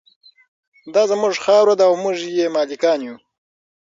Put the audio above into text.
دا زموږ خاوره ده او موږ یې مالکان یو.